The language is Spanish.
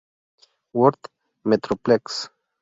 Worth Metroplex.